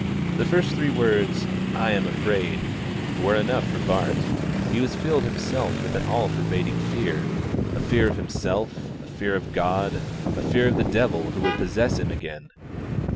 The first three words, "I am afraid," were enough for Bart; he was filled himself with an all pervading fear a fear of himself, a fear of God, a fear of the devil who would possess him again.